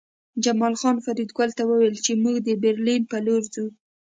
جمال خان فریدګل ته وویل چې موږ د برلین په لور ځو